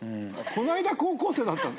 この間高校生だった。